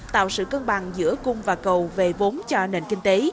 tạo sự cân bằng giữa cung và cầu về vốn cho nền kinh tế